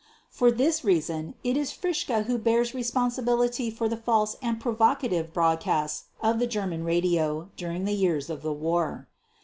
For this reason it is Fritzsche who bears responsibility for the false and provocative broadcasts of the German radio during the years of the war.